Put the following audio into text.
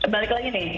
balik lagi nih